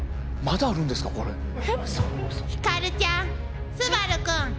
ひかるちゃん昴君。